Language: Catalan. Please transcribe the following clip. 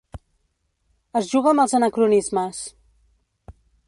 Es juga amb els anacronismes.